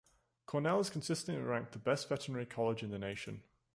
Cornell is consistently ranked the best veterinary college in the nation.